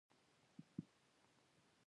خبرداری ورکوي چې په بدن کې